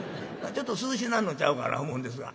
ちょっと涼しなんのんちゃうかな思うんですが。